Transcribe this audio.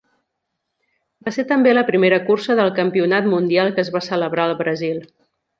Va ser també la primera cursa del campionat mundial que es va celebrar al Brasil.